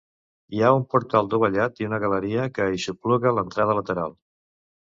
Hi ha un portal dovellat i una galeria que aixopluga l'entrada lateral.